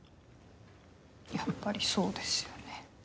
やっぱりそうですよね。